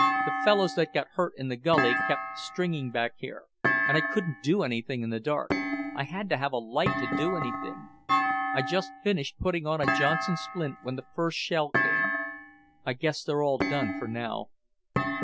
The fellows that got hurt in the gully kept stringing back here, and I couldn't do anything in the dark. I had to have a light to do anything. I just finished putting on a Johnson splint when the first shell came. I guess they're all done for now."